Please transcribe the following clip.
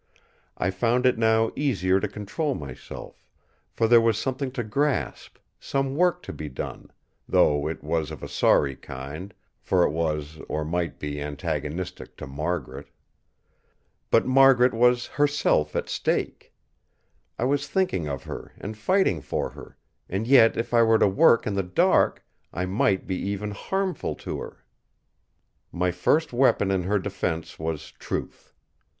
I found it now easier to control myself; for there was something to grasp, some work to be done; though it was of a sorry kind, for it was or might be antagonistic to Margaret. But Margaret was herself at stake! I was thinking of her and fighting for her; and yet if I were to work in the dark, I might be even harmful to her. My first weapon in her defence was truth.